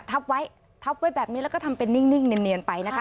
ทับไว้ทับไว้แบบนี้แล้วก็ทำเป็นนิ่งเนียนไปนะคะ